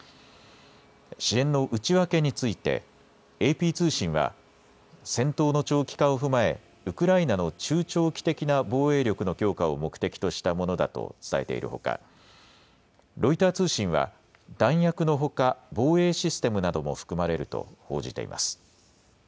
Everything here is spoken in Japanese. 支援の内訳についてＡＰ通信は戦闘の長期化を踏まえウクライナの中長期的な防衛力の強化を目的としたものだと伝えているほかロイター通信は弾薬のほか防衛システムなども含まれると報じています。